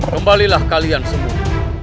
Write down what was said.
kembalilah kalian semua